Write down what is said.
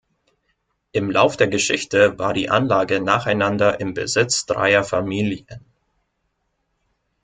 Im Lauf der Geschichte war die Anlage nacheinander im Besitz dreier Familien.